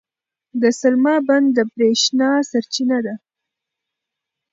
د سلما بند د برېښنا سرچینه ده.